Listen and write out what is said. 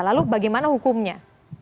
lalu bagaimana hukumnya